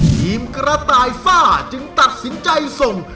ทีมกระต่ายฝ้าจึงตัดสินใจส่ง